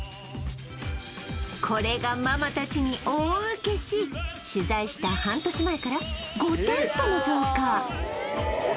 これがママ達に大ウケし取材した半年前から５店舗も増加